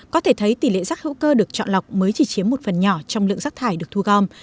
có thể thấy tỷ lệ rác hữu cơ được chọn lọc mới chỉ chiếm một phần nhỏ trong lượng rác thải được thu gom